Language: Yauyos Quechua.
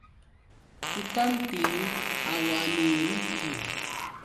Tutantin awaniriki.